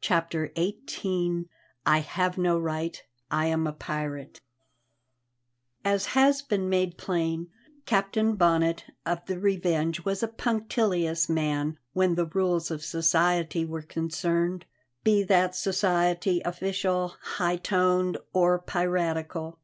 CHAPTER XVIII I HAVE NO RIGHT; I AM A PIRATE As has been made plain, Captain Bonnet of the Revenge was a punctilious man when the rules of society were concerned, be that society official, high toned, or piratical.